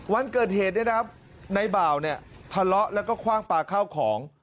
วันเกิดเหตุเนี่ยนะครับในบ่าวเนี่ยทะเลาะแล้วก็คว่างปลาข้าวของ